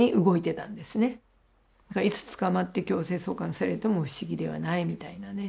いつ捕まって強制送還されても不思議ではないみたいなね。